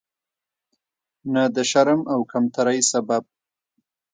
نه د شرم او کمترۍ سبب.